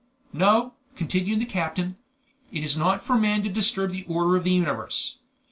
"No," continued the captain; "it is not for man to disturb the order of the universe.